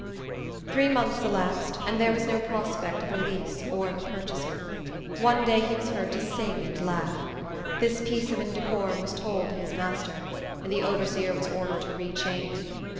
Three months elapsed, and there was no prospect of release or of a purchaser. One day he was heard to sing and laugh. This piece of indecorum was told to his master, and the overseer was ordered to re chain him.